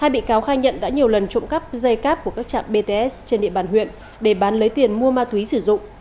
hai bị cáo khai nhận đã nhiều lần trộm cắp dây cáp của các trạm bts trên địa bàn huyện để bán lấy tiền mua ma túy sử dụng